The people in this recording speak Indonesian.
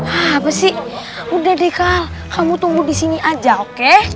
apa sih udah deh kal kamu tunggu disini aja oke